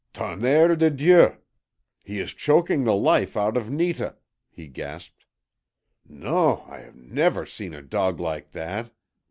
"TONNERRE DE DIEU! he is choking the life out of Netah!" he gasped. "NON, I have never seen a dog like that.